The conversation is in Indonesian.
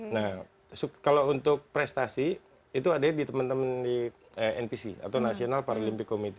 nah kalau untuk prestasi itu ada di teman teman di npc atau national paralympic committe